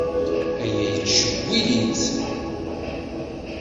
Aya yettcewwil-itt.